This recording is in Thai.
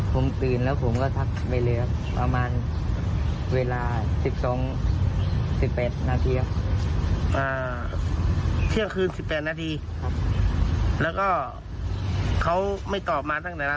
ผมตื่นแล้วผมก็ทักไปเลยครับประมาณเวลาสิบสองสิบแปดนาทีอ่ะอ่าเที่ยวคืนสิบแปดนาทีครับแล้วก็เขาไม่ตอบมาตั้งแต่ละ